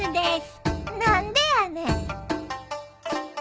何でやねん。